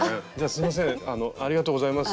すみませんありがとうございます。